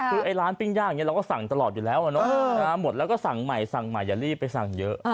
คือร้านปิ้งยากเราก็สั่งตลอดอยู่แล้วสั่งใหม่อย่ารีบไปสั่งเยอะ